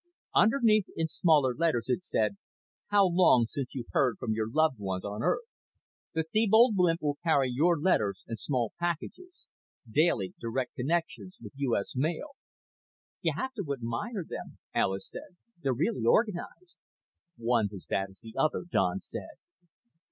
Underneath, in smaller letters, it said: _How long since you've heard from your loved ones on Earth? The Thebold Blimp will carry your letters and small packages. Direct daily connections with U. S. Mail._ "You have to admire them," Alis said. "They're really organized." "One's as bad as the other," Don said.